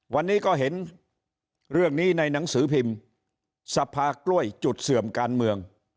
วันนี้ก็เห็นเรื่องนี้ในหนังสือพิมพ์สภากล้วยจุดเสื่อมการเมือง